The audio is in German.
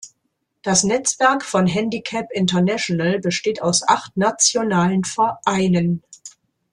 Das Netzwerk von Handicap International besteht aus acht nationalen Vereinen.